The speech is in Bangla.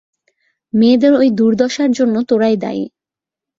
মেয়েদের ঐ দুর্দশার জন্য তোরাই দায়ী।